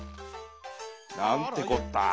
「なんてこったぁ。